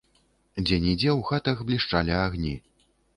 Дзе-нідзе ў хатах блішчалі агні.